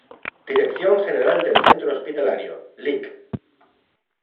Dirección General del Centro Hospitalario: Lic.